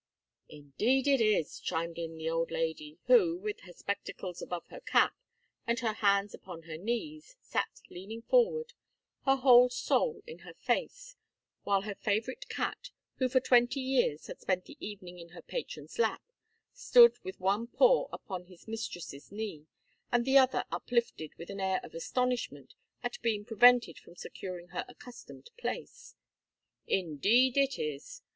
"Indeed it is," chimed in the old lady, who, with her spectacles above her cap, and her hands upon her knees, sat leaning forward, her whole soul in her face, while the favorite cat, who for twenty years had spent the evening in her patron's lap, stood with one paw upon her mistress's knee, and the other uplifted with an air of astonishment at being prevented from securing her accustomed place, "indeed it is.